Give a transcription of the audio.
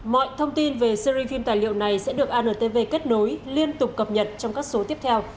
mọi thông tin về series phim tài liệu này sẽ được antv kết nối liên tục cập nhật trong các số tiếp theo